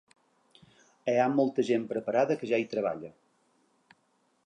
Hi ha gent molt preparada que ja hi treballa.